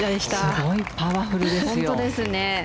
すごいパワフルですよ。